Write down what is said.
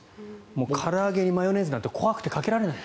もうから揚げにマヨネーズなんて怖くてかけられない。